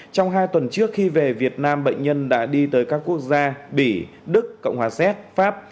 trong hai tuần trước khi về việt nam bệnh nhân đã đi tới các quốc gia bỉ đức cộng hòa xét pháp